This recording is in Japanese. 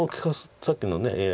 さっきのＡＩ